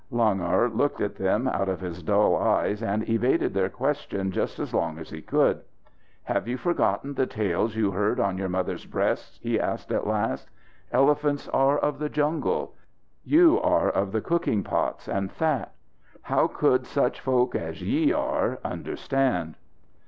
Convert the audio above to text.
Langur looked at them out of his dull eyes, and evaded their question just as long as he could. "Have you forgotten the tales you heard on your mothers' breasts?" he asked at last. "Elephants are of the jungle. You are of the cooking pots and thatch! How should such folk as ye are understand?"